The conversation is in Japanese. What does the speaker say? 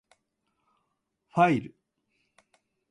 ファイル